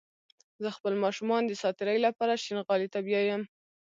زه خپل ماشومان د ساعتيرى لپاره شينغالي ته بيايم